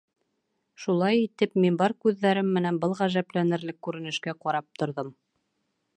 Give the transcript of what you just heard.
Шулай итеп, мин бар күҙҙәрем менән был ғәжәпләнерлек күренешкә ҡарап торҙом.